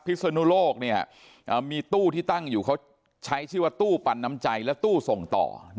ศนุโลกมีตู้ที่ตั้งอยู่เขาใช้ชื่อว่าตู้ปันน้ำใจและตู้ส่งต่อ